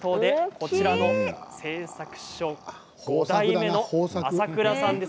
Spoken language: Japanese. こちらの製作所５代目の朝倉さんです。